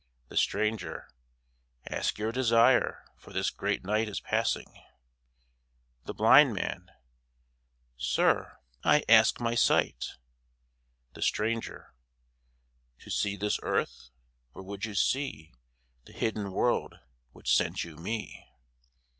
THE STRANGER Ask your desire, for this great night Is passing. THE BLIND MAN Sir, I ask my sight. THE STRANGER To see this earth? Or would you see That hidden world which sent you me?